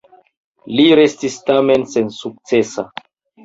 Li restis tamen sensukcesa.